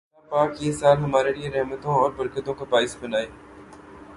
الله پاک یہ سال ہمارے لیئے رحمتوں اور برکتوں کا باعث بنائے